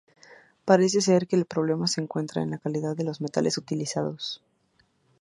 Parece ser que el problema se encuentra en la calidad de los metales utilizados.